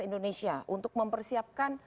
indonesia untuk mempersiapkan